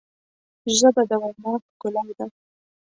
ژبه د وینا ښکلا ده